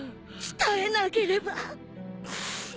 伝えなければ。